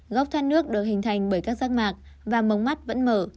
góc thoát nước được hình thành bởi các rác mạc và mống mắt vẫn mở